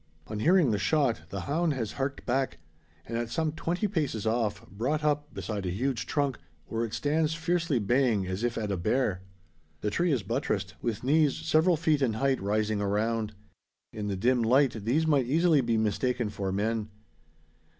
On hearing the shot the hound has harked back; and, at some twenty paces off, brought up beside a huge trunk, where it stands fiercely baying, as if at a bear. The tree is buttressed, with "knees" several feet in height rising around. In the dim light, these might easily be mistaken for men.